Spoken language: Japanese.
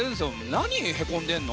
何へこんでんの？